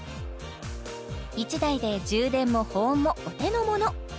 １台で充電も保温もお手のもの！